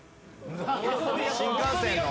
新幹線の？